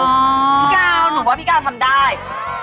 พี่กาวหนูว่าพี่กาวทำได้